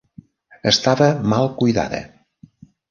Estava mal cuidada.